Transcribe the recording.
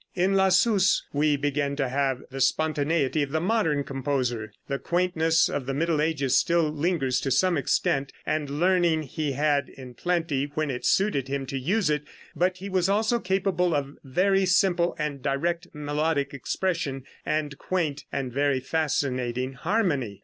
In Lassus we begin to have the spontaneity of the modern composer. The quaintness of the Middle Ages still lingers to some extent, and learning he had in plenty when it suited him to use it, but he was also capable of very simple and direct melodic expression and quaint and very fascinating harmony.